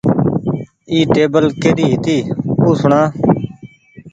اي ٽيبل ڪري هيتي او سوڻا۔